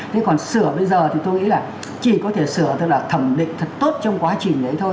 thế còn sửa bây giờ thì tôi nghĩ là chỉ có thể sửa tức là thẩm định thật tốt trong quá trình đấy thôi